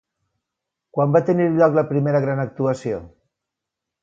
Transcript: Quan va tenir lloc la primera gran actuació?